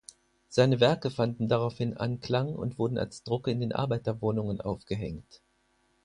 Seine Werke fanden daraufhin Anklang und wurden als Drucke in den Arbeiterwohnungen aufgehängt.